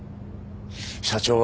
社長は。